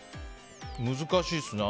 難しいですね。